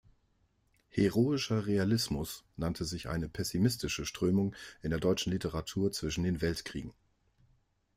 Heroischer Realismus nannte sich eine pessimistische Strömung in der deutschen Literatur zwischen den Weltkriegen.